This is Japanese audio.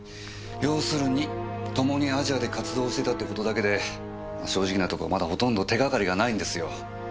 ようするに共にアジアで活動してたって事だけで正直なとこまだほとんど手掛かりがないんですよ。